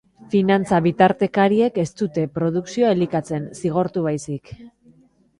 Finantza-bitartekariek ez dute produkzioa elikatzen, zigortu baizik.